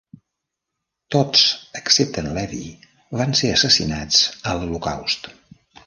Tots excepte en Levie van ser assassinats a l'Holocaust.